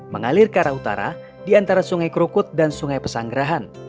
mengalir ke arah utara di antara sungai krukut dan sungai pesanggerahan